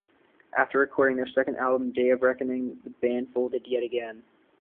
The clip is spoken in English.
After recording their second album "Day of Reckoning", the band folded yet again.